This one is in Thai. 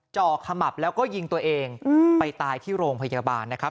่อขมับแล้วก็ยิงตัวเองไปตายที่โรงพยาบาลนะครับ